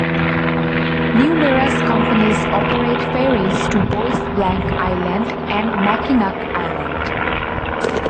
Numerous companies operate ferries to Bois Blanc Island and Mackinac Island.